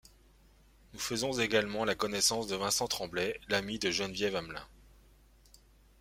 Nous faisons également la connaissance de Vincent Tremblay, l'ami de Geneviève Hamelin.